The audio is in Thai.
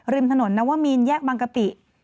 ริมถนนนวมีนแยกบางกะปิ